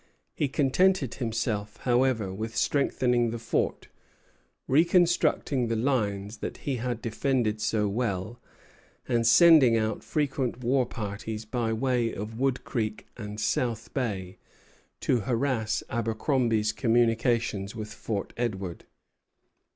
He contented himself, however, with strengthening the fort, reconstructing the lines that he had defended so well, and sending out frequent war parties by way of Wood Creek and South Bay, to harass Abercromby's communications with Fort Edward.